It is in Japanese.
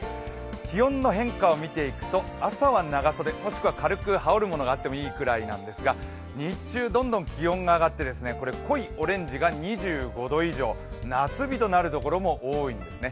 気温の変化を見ていくと朝は長袖、もしくは軽く羽織るものがあってもいいくらいなんですが、日中どんどん気温が上がって濃いオレンジが２５度以上、夏日となるところも多いんですね。